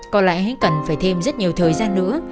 có lẽ cần phải thêm rất nhiều thời gian nữa